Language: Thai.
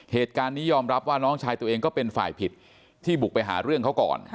เหตุการณ์นี้ยอมรับว่าน้องชายตัวเองก็เป็นฝ่ายผิดที่บุกไปหาเรื่องเขาก่อน